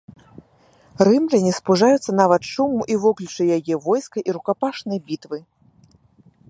Рымляне спужаюцца нават шуму і воклічу яе войска і рукапашнай бітвы.